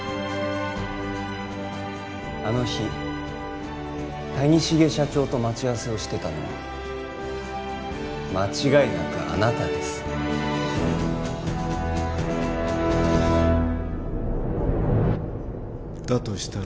あの日谷繁社長と待ち合わせをしてたのは間違いなくあなたですだとしたら？